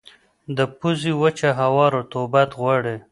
د پوزې وچه هوا رطوبت غواړي.